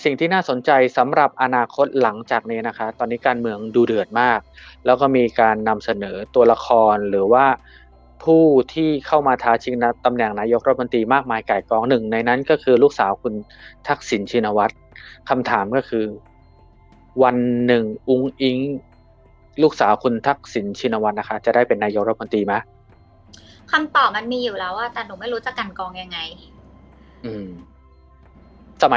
สิ่งที่น่าสนใจสำหรับอนาคตหลังจากนี้นะคะตอนนี้การเมืองดูเดือดมากแล้วก็มีการนำเสนอตัวละครหรือว่าผู้ที่เข้ามาทาชิงตำแหน่งนายกรปนตรีมากมายไก่กองหนึ่งในนั้นก็คือลูกสาวคุณทักศิลป์ชินวัฒน์คำถามก็คือวันหนึ่งอุ้งอิ๊งลูกสาวคุณทักศิลป์ชินวัฒน์นะคะจะได้เป็นนายกรปนตรีไหม